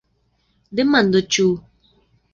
Demando: Ĉu?